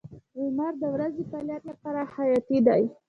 • لمر د ورځې د فعالیت لپاره حیاتي دی.